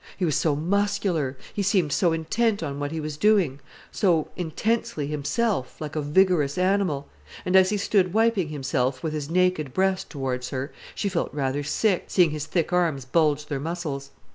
He was so muscular, he seemed so intent on what he was doing, so intensely himself, like a vigorous animal. And as he stood wiping himself, with his naked breast towards her, she felt rather sick, seeing his thick arms bulge their muscles.